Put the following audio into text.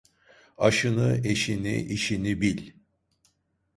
Aşını, eşini, işini bil.